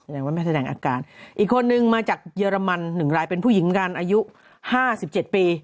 อย่างว่าไม่แสดงอาการอีกคนนึงมาจากเยอรมัน๑รายเป็นผู้หญิงอายุ๕๗ปี